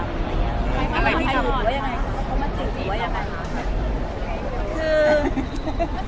อะไรที่เขาหลุดไว้ยังไงเพราะมันจริงไว้ยังไง